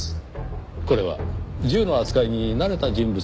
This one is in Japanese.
これは銃の扱いに慣れた人物なのでしょうか？